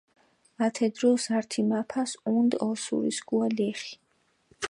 ათე დროს ართი მაფას ჸუნდჷ ოსურისქუა ლეხი.